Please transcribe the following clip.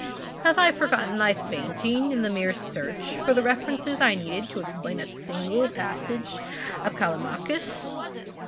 Have I forgotten thy fainting in the mere search for the references I needed to explain a single passage of Callimachus?"